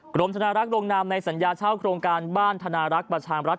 ธนารักษ์ลงนามในสัญญาเช่าโครงการบ้านธนารักษ์ประชามรัฐ